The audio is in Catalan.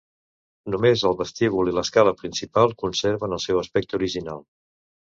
Només el vestíbul i l'escala principal conserven el seu aspecte original.